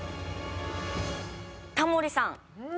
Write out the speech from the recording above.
タモリさん